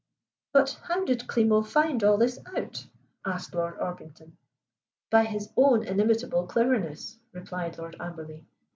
"But how did Klimo find all this out?" asked Lord Orpington. "By his own inimitable cleverness," replied Lord Amberley.